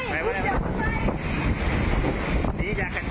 อันนี้อย่าแข็งจม